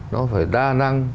nó phải đa năng